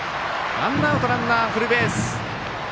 ワンアウト、ランナーフルベース。